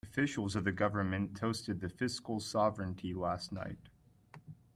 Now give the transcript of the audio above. Officials of the government toasted the fiscal sovereignty last night.